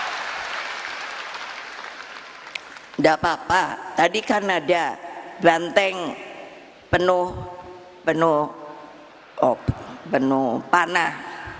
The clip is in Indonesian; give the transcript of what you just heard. tidak apa apa tadi kan ada banteng penuh penuh panah